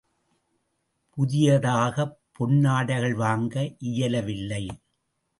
புதியதாகப் பொன்னாடைகள் வாங்க இயலவில்லை.